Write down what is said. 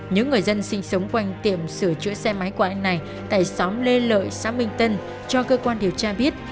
những người dân sinh sống quanh tiệm sửa chữa xe máy của anh này tại xóm lê lợi xã minh tân cho cơ quan điều tra biết